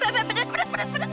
kayaknya ada yang beres